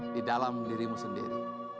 di dalam dirimu sendiri